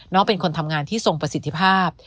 เป็นคนทำงานที่ทรงประสิทธิภาพ